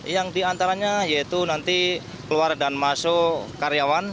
yang di antaranya yaitu nanti keluar dan masuk karyawan